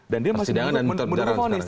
dan dia masih menurut ponis